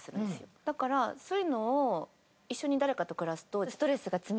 だからそういうのを一緒に誰かと暮らすと。